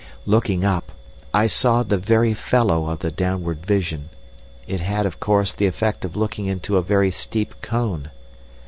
"Looking up, I saw the very fellow of the downward vision; it had, of course, the effect of looking into a very steep cone.